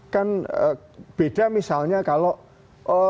kan beda misalnya kalau